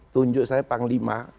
tunjuk saya panglima